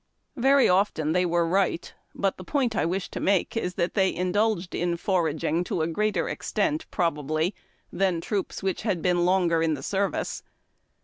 Very often they were right, but the point I wish to make is that they indulged in foraging to a greater extent probably than troops which had been longer in service.